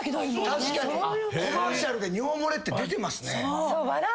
確かにコマーシャルで尿漏れって出てますね。